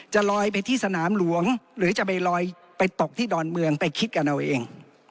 จะลอยไปที่สนามหลวงหรือจะไปลอยไปตกที่ดอนเมืองไปคิดกันเอาเอง